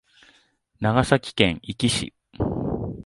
長崎県壱岐市